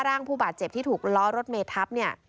ผู้บาดเจ็บที่ถูกล้อรถเมทับเนี่ย